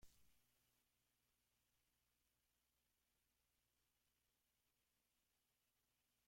La migración de los hindúes de Pakistán a la India continuó sin cesar.